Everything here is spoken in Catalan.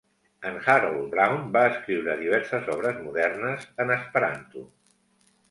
En Harold Brown va escriure diverses obres modernes en esperanto.